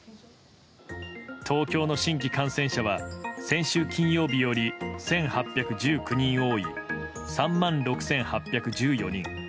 東京の新規感染者は先週金曜日より１８１９人多い３万６８１４人。